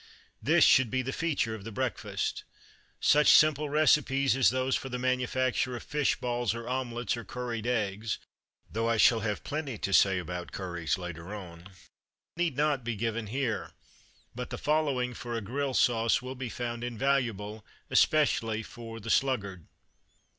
This should be the feature of the breakfast. Such simple recipes as those for the manufacture of fish balls or omelettes or curried eggs though I shall have plenty to say about curries later on need not be given here; but the following, for a grill sauce, will be found invaluable, especially for the "sluggard."